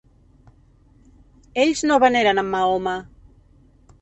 Ells no veneren en Mahoma.